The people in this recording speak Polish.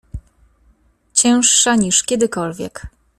— Cięższa niż kiedykolwiek.